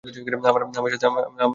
আমার সাথে কথা বলো।